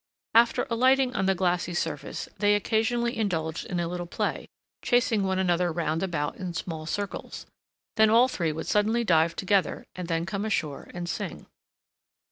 After alighting on the glassy surface, they occasionally indulged in a little play, chasing one another round about in small circles; then all three would suddenly dive together, and then come ashore and sing.